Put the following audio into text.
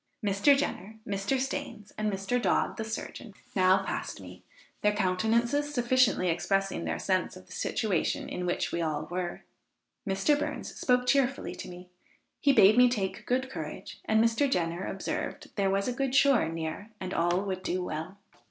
Mr. Jenner, Mr. Stains and Mr. Dodd the surgeon, now passed me, their countenances sufficiently expressing their sense of the situation in which we all were. Mr. Burns spoke cheerfully to me; he bade me take good courage, and Mr. Jenner observed, there was a good shore near, and all would do well.